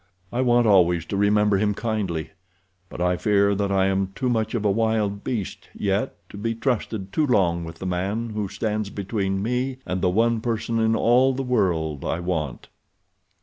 I want always to remember him kindly, but I fear that I am too much of a wild beast yet to be trusted too long with the man who stands between me and the one person in all the world I want."